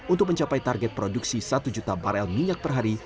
untuk mencapai target produksi satu juta barel minyak per hari